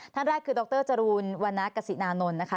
ท่านแรกคือดรจรูนวันนักกษินานนลนะคะ